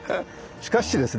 しかしですね